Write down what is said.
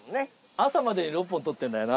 朝までに６本取ってんだよな。